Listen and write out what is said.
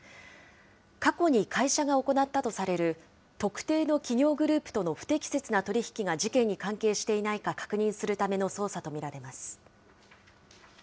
過去に会社が行ったとされる特定の企業グループとの不適切な取り引きが事件に関係していないか確認するための捜査と見られます。